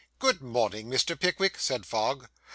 'Good morning, Mr. Pickwick,' said Fogg.